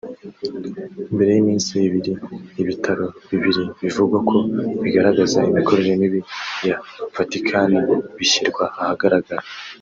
mbere y’iminsi ibiri ibitabo bibiri bivugwa ko bigaragaza imikorere mibi ya Vaticani bishyirwa ahagaragara